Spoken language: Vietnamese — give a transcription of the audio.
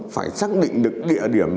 phải xác định được địa điểm